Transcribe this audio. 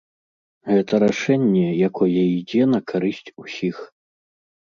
Гэта рашэнне, якое ідзе на карысць усіх.